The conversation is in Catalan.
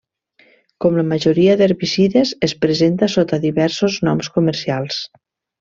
Com la majoria d'herbicides es presenta sota diversos noms comercials.